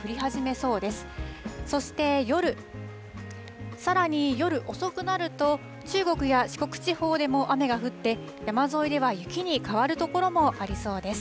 そして夜、さらに夜遅くなると、中国や四国地方でも雨が降って、山沿いでは雪に変わる所もありそうです。